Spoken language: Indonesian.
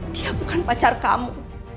dia bukan pacar kamu